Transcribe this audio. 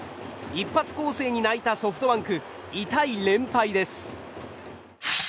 一発攻勢に泣いたソフトバンク痛い連敗です。